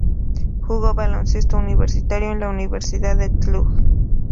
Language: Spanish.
Jugó baloncesto universitario en la Universidad de Cluj.